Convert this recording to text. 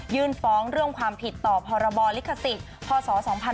ฟ้องเรื่องความผิดต่อพรบลิขสิทธิ์พศ๒๕๕๙